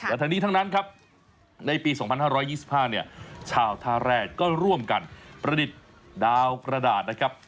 แต่ทั้งนี้ทั้งนั้นครับในปี๒๕๒๕เนี่ยชาวท่าแรกก็ร่วมกันประดิษฐ์ดาวกระดาษนะครับ